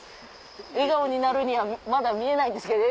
笑顔になるにはまだ見えないですけど。